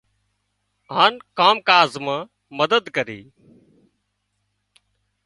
هانَ ڪام ڪاز مان مدد ڪري۔